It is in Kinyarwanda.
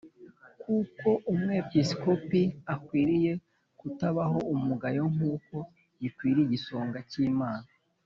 Kuko umwepisikopi akwiriye kutabaho umugayo nk’uko bikwiriye igisonga cy’Imana